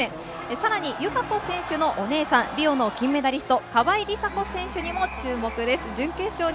さらに友香子選手のお姉さん、リオの金メダリスト、川井梨紗子選手にも注目です。